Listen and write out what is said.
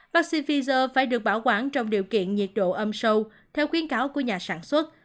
vaccine pfizer phải được bảo quản trong điều kiện nhiệt độ âm sâu theo khuyến cáo của nhà sản xuất